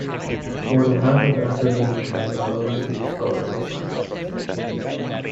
More than half of the academicians are overseas scholars and scientists.